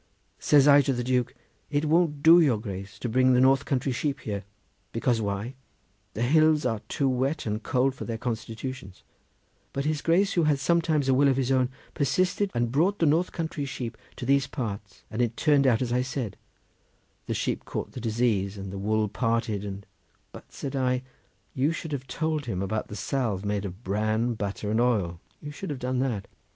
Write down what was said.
Says I to the Duke, 'It won't do, your Grace, to bring the north country sheep here: because why? the hills are too wet and cold for their constitutions;' but his Grace, who had sometimes a will of his own, persisted and brought the north country sheep to these parts, and it turned out as I said: the sheep caught the disease and the wool parted and—" "But," said I, "you should have told him about the salve made of bran, butter and oil; you should have done that."